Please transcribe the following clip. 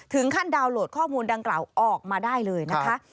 ดาวน์โหลดข้อมูลดังกล่าวออกมาได้เลยนะคะ